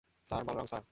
Sir, Balram, sir.